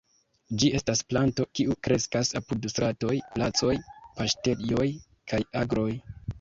Ĝi estas planto, kiu kreskas apud stratoj, placoj, paŝtejoj kaj agroj.